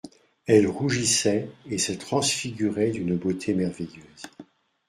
Elle rougissait et se transfigurait d'une beauté merveilleuse.